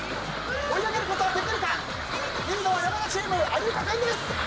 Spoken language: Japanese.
追い上げることはできるか⁉リードは山田チーム有岡君です！